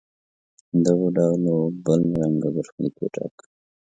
دغو ډلو بل رنګه برخلیک وټاکه.